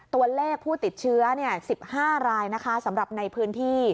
ตัวเลขผู้ติดเชื้อ๑๕รายนะคะสำหรับในพื้นที่